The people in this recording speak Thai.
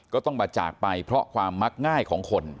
ก็ต้องมาจากไปเพราะความมักง่ายของคน